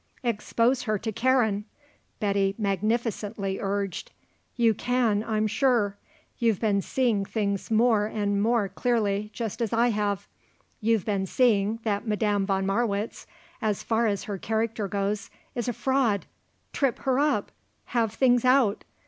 "Expose her to Karen!" Betty magnificently urged. "You can I'm sure. You're been seeing things more and more clearly, just as I have; you've been seeing that Madame von Marwitz, as far as her character goes, is a fraud. Trip her up. Have things out.